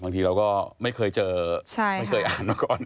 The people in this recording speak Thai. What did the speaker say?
บางทีเราก็ไม่เคยเจอไม่เคยอ่านมาก่อน